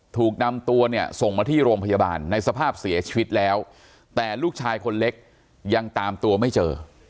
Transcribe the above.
ถูกนำตัวเนี่ยส่งมาที่โรงพยาบาลในสภาพเสียชีวิตแล้วแต่ลูกชายคนเล็กยังตามตัวไม่เจอ